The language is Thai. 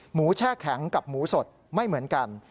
แช่แข็งกับหมูสดไม่เหมือนกัน